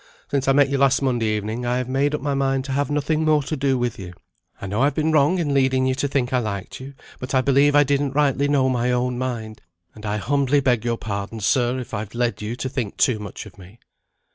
Since I met you last Monday evening, I have made up my mind to have nothing more to do with you. I know I've been wrong in leading you to think I liked you; but I believe I didn't rightly know my own mind; and I humbly beg your pardon, sir, if I've led you to think too much of me."